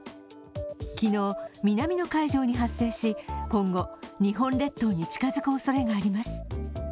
昨日、南の海上に発生し、今後、日本列島に近づくおそれがあります。